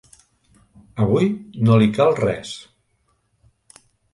Avui no li cal res.